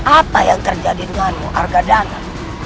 apa yang terjadi denganmu argadana